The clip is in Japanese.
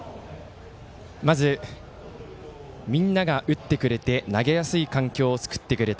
まず、みんなが打ってくれて投げやすい環境を作ってくれた。